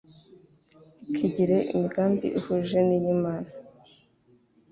ntikigire imigambi ihuje n’iy'Imana